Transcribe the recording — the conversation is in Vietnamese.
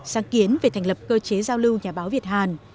sáng kiến về thành lập cơ chế giao lưu nhà báo việt hàn